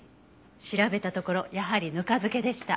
調べたところやはりぬか漬けでした。